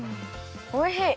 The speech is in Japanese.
おいしい！